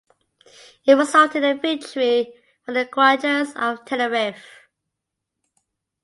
It resulted in a victory for the Guanches of Tenerife.